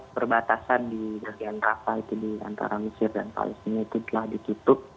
perbatasan di bagian rafa itu di antara mesir dan palestina itu telah ditutup